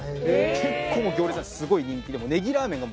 結構行列すごい人気で。